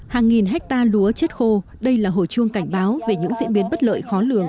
hàng nghìn hectare lúa chết khô đây là hồi chuông cảnh báo về những diễn biến bất lợi khó lường